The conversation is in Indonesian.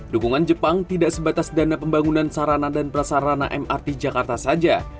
dukungan jepang tidak sebatas dana pembangunan sarana dan prasarana mrt jakarta saja